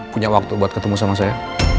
punya waktu buat ketemu sama saya